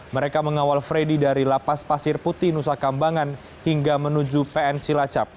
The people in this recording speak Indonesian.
mereka mengawal freddy dari lapas pasir putih nusa kambangan hingga menuju pn cilacap